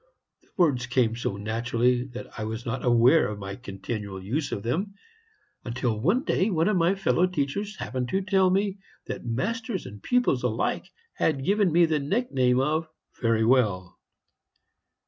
The words came so naturally that I was not aware of my continual use of them, until one day one of my fellow teachers happened to tell me that masters and pupils alike had given me the nickname of 'Very well.'